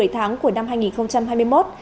một mươi tháng của năm hai nghìn hai mươi một